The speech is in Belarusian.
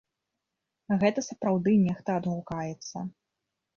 Гэта сапраўды нехта адгукаецца.